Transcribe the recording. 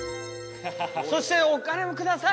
そしてお金もください。